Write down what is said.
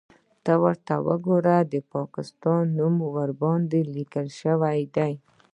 _ورته وګوره! د پاکستان نوم ورباندې ليکل شوی دی.